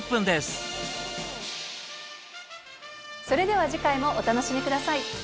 それでは次回もお楽しみ下さい。